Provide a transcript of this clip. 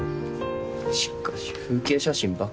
しかし風景写真ばっか。